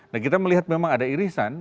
nah kita melihat memang ada irisan